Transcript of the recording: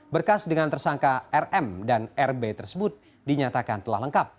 berkas dengan tersangka rm dan rb tersebut dinyatakan telah lengkap